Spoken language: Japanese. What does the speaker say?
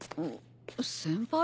先輩？